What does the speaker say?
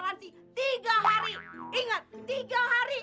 uang sini tau kok